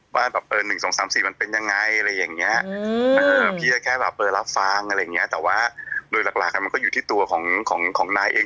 ว่า๑๒๓๔มันเป็นยังไงพี่จะแค่รับฟังแต่ว่ารากหลักมันก็อยู่ที่ตัวของนายเอง